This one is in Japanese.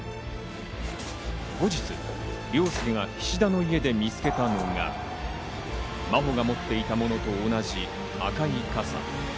後日、凌介が菱田の家で見つけたのが、真帆が持っていたものと同じ赤い傘。